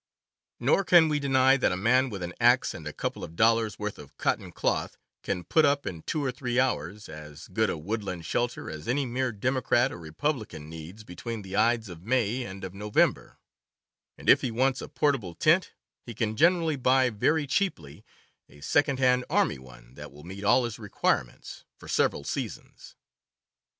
Nor can we deny that a man with an axe and a couple of dollars' worth of cotton cloth can put up in two or three hours as good a woodland shelter as any mere democrat or republican needs between the ides of May and of November; and if he wants a portable tent he can generally buy very cheaply a second hand army one that will meet all his requirements for several sea OUTFITTING 3 sons.